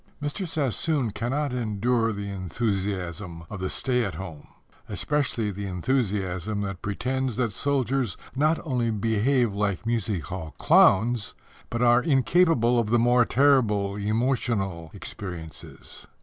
Mr. Sassoon cannot endure the enthusiasm of the stay at home especially the enthusiasm that pretends that soldiers not only behave like music hall clowns, but are incapable of the more terrible emotional experiences.